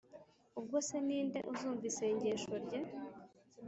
ubwo se ni nde uzumva isengesho rye?